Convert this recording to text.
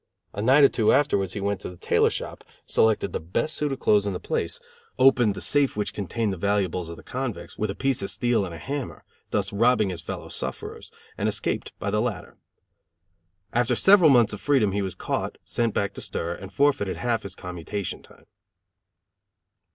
A night or two afterwards he went to the tailor shop, selected the best suit of clothes in the place, opened the safe which contained the valuables of the convicts, with a piece of steel and a hammer, thus robbing his fellow sufferers, and escaped by the ladder. After several months of freedom he was caught, sent back to stir, and forfeited half of his commutation time.